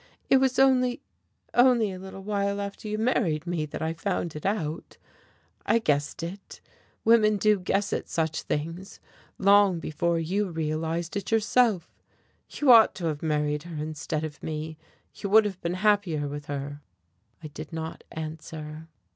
"It was only only a little while after you married me that I found it out. I guessed it women do guess such things long before you realized it yourself. You ought to have married her instead of me. You would have been happier with her." I did not answer.